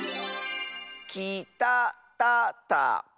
「きたたたか」！